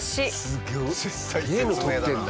すげえの撮ってるな。